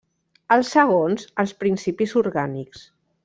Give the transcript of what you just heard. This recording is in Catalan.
Els segons, els principis orgànics.